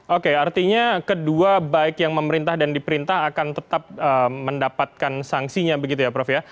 oke artinya kedua baik yang memerintah dan diperintah akan tetap mendapatkan sanksinya begitu ya prof ya